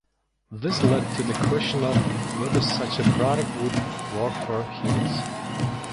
This led to the question of whether such a product would work for humans.